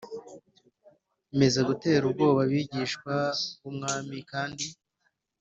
meza gutera ubwoba abigishwa b Umwami kandi